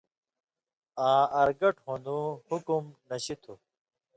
آں اَرگٹ ہُون٘دُوں حُکُم نشیۡ تھُو۔